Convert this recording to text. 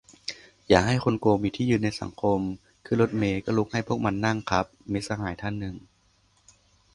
"อย่าให้คนโกงมีที่ยืนในสังคม ขึ้นรถเมล์ก็ลุกให้พวกมันนั่งคับ" - มิตรสหายท่านหนึ่ง